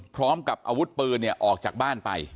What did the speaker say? พร้อมกับอาวุธปืนเนี่ยออกจากบ้านไป